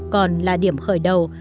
còn là điểm khởi đầu